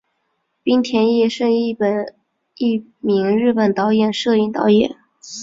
滨田毅是一名日本电影摄影导演。